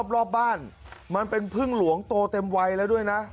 รอบบ้านมันเป็นพึ่งหลวงโตเต็มวัยแล้วด้วยนะ